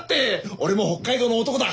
俺も北海道の男だ